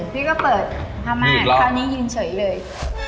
พี่ก็เปิดผ้าม่านคราวนี้ยืนเฉยเลย